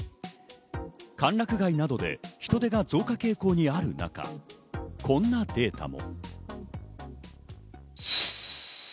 歓楽街などで人出が増加傾向にある中、こんなデータも。